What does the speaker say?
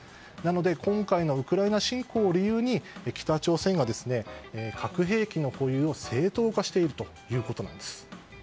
なので今回のウクライナ侵攻を理由に北朝鮮が核兵器の保有を正当化しているということなんです。